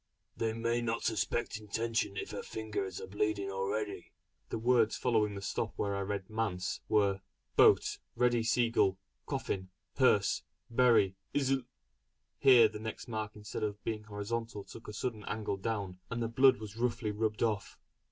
They may not suspect intention if her fingers are bleeding already!" The words following the stop where I had read "manse" were: "Boat ready Seagull Coffin Hearse bury isl " Here the next mark instead of being horizontal took a sudden angle down, and the blood was roughly rubbed off.